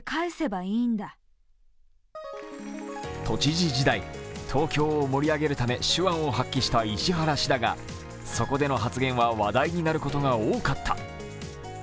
都知事時代東京を盛り上げるため手腕を発揮した石原氏だがそこでの発言は話題になることが多かった。